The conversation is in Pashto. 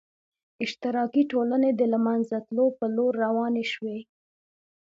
اشتراکي ټولنې د له منځه تلو په لور روانې شوې.